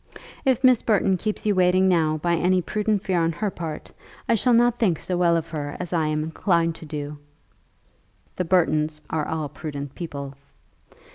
If Miss Burton keeps you waiting now by any prudent fear on her part, I shall not think so well of her as I am inclined to do." "The Burtons are all prudent people."